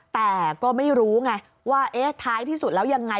แต่ก็ไม่รู้ไงว่าเอ๊ะท้ายที่สุดแล้วยังไง